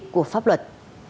của pháp luật